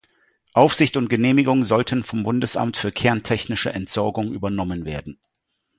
Aufsicht und Genehmigung sollten vom Bundesamt für kerntechnische Entsorgung übernommen werden.